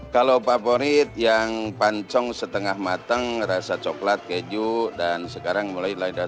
kalau favorit yang pancong setengah matang rasa coklat keju dan sekarang mulai lain rasa